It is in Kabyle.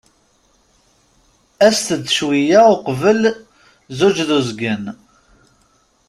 As-t-d cwiya uqbel zzuǧ d uzgen.